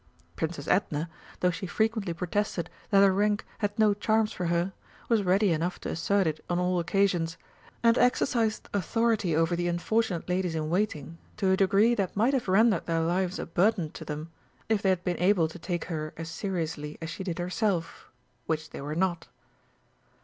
Princess Edna, though she frequently protested that her rank had no charms for her, was ready enough to assert it on all occasions, and exercised authority over the unfortunate ladies in waiting to a degree that might have rendered their lives a burden to them if they had been able to take her as seriously as she did herself, which they were not.